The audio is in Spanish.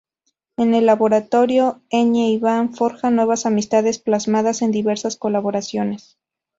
En Laboratorio Ñ Iván forja buenas amistades, plasmadas en diversas colaboraciones.